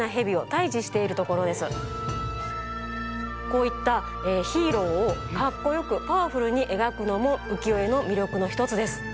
こういったヒーローをかっこよくパワフルにえがくのもうきよえのみりょくのひとつです。